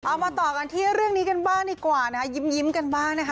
มาต่อกันที่เรื่องนี้กันบ้างดีกว่านะคะยิ้มกันบ้างนะคะ